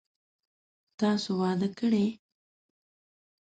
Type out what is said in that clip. تاسو واده کړئ ؟